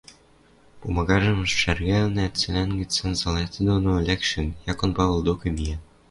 Пумагажым шӓргӓлӹнӓт, цылан гӹц санзал ӓтӹ доно лӓкшӹ Якон Павыл докы миӓ.